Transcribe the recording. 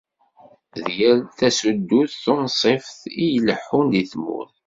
D yal tasuddut tunṣibt i ileḥḥun di tmurt.